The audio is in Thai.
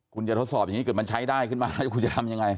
คุณจะทดสอบอย่างนี้เกิดมันใช้ได้ขึ้นมาแล้วคุณจะทำยังไง